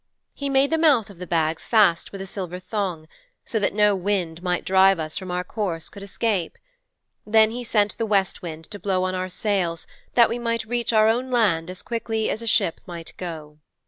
He made the mouth of the bag fast with a silver thong, so that no wind that might drive us from our course could escape. Then he sent the West Wind to blow on our sails that we might reach our own land as quickly as a ship might go.'